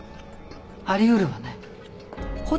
あり得るわね。